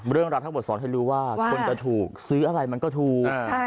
เรื่องราวทั้งหมดสอนให้รู้ว่าคนจะถูกซื้ออะไรมันก็ถูก